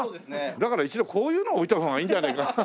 だから一度こういうのを置いた方がいいんじゃねえか。